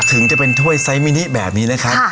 ถึงจะเป็นถ้วยไซมินิแบบนี้นะครับ